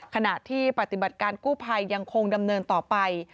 ขณะที่ปฏิบัติการกู้ภัยยังคงดำเนินต่อไป